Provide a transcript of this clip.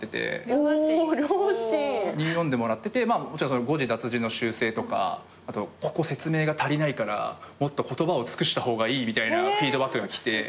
お両親。に読んでもらっててもちろん誤字脱字の修正とかあとここ説明が足りないからもっと言葉を尽くした方がいいみたいなフィードバックがきて。